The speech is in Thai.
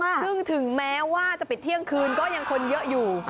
ซึ่งถึงแม้ว่าจะปิดเที่ยงคืนก็ยังคนเยอะอยู่